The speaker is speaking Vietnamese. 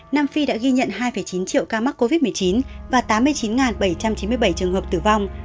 nam phi đã ghi nhận hai chín triệu ca mắc covid một mươi chín và tám mươi chín bảy trăm chín mươi bảy trường hợp tử vong